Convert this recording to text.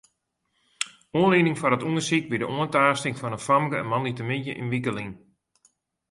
Oanlieding foar it ûndersyk wie de oantaasting fan in famke moandeitemiddei in wike lyn.